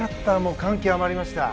感極まりました。